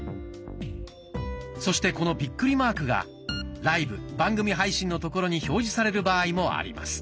そしてこのビックリマークが「ライブ・番組配信」の所に表示される場合もあります。